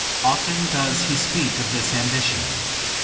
Often does he speak of this ambition.